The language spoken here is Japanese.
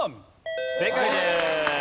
正解です。